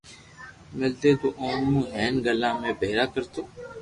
ملتي تو او مون ھين گلا ۾ ڀآرا ڪرتو